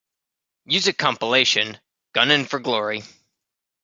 Music compilation "Gunnin' for Glory".